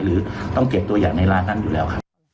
หรือต้องเก็บตัวอย่างในร้านนั้นอยู่แล้วครับ